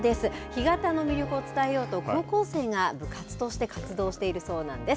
干潟の魅力を伝えようと高校生が部活として活動しているそうなんです。